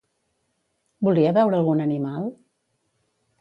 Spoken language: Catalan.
Volia veure algun animal?